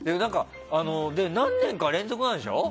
何年か連続なんでしょ？